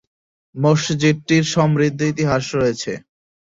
মসজিদটির সমৃদ্ধ ইতিহাস রয়েছে।